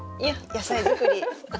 野菜作り。